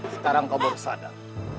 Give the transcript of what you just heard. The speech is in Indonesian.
sekarang kau baru sadar